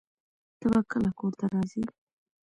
ته به کله کور ته راځې؟